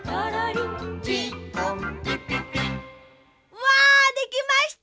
うわできました！